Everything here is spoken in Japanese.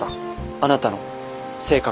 あなたの性格に。